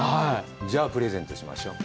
じゃあ、プレゼントしましょう。